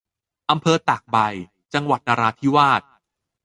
อำเภอตากใบ - จังหวัดนราธิวาส